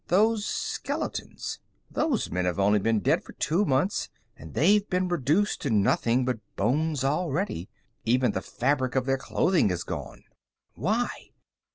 "Those skeletons. Those men have only been dead for two months, and they've been reduced to nothing but bones already. Even the fabric of their clothing is gone. Why?